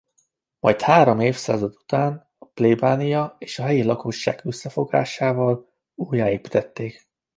Majd három évszázad után a plébánia és a helyi lakosság összefogásával újjáépítették.